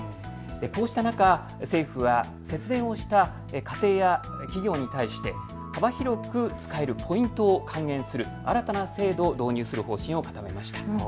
こうした中、政府は節電をした家庭や企業に対して幅広く使えるポイントを還元する新たな制度を導入する方針を固めました。